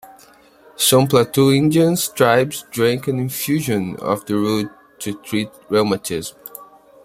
Some Plateau Indian tribes drank an infusion of the root to treat rheumatism.